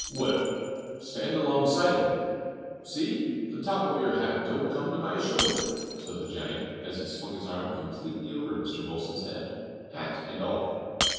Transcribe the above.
"Well, stand alongside of me; see, the top of your hat don't come to my shoulder," said the giant, as he swung his arm completely over Mr. Wilson's head, hat and all.